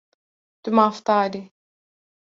Tu mafdar î.